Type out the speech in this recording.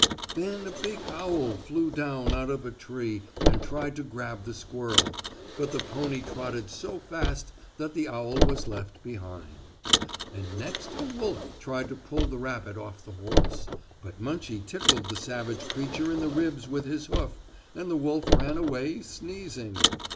Then a big owl flew down out of a tree and tried to grab the squirrel, but the pony trotted so fast that the owl was left behind. And next a wolf tried to pull the rabbit off the horse, but Munchie tickled the savage creature in the ribs with his hoof, and the wolf ran away, sneezing.